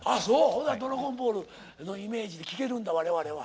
「ドラゴンボール」のイメージで聴けるんだ我々は。